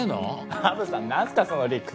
虻さん何すかその理屈。